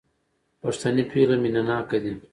پښتنې پېغلې مينه ناکه دي